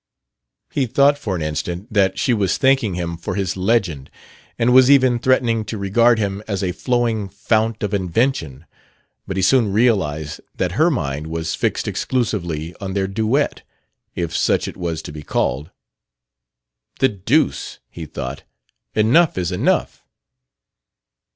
He thought, for an instant, that she was thanking him for his Legend and was even threatening to regard him as a flowing fount of invention; but he soon realized that her mind was fixed exclusively on their duet if such it was to be called. "The deuce!" he thought. "Enough is enough."